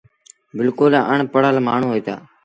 بلڪُل اَڻ پڙهل مآڻهوٚݩ هوئيٚتآ۔